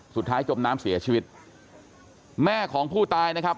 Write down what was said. จมน้ำเสียชีวิตแม่ของผู้ตายนะครับ